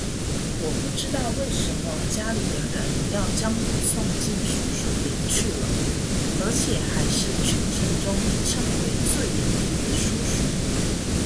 我不知道为什么家里的人要将我送进书塾里去了而且还是全城中称为最严厉的书塾